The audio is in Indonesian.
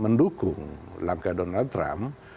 mendukung langkah donald trump